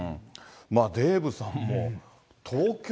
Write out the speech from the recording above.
デーブさんも、東京